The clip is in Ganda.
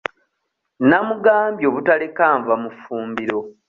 Namugambye obutaleka nva mu fumbiro.